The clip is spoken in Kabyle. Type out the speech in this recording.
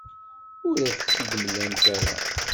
Ur ak-tt-id-mlant ara.